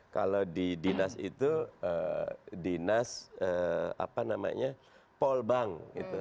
kalau di dinas itu dinas polbank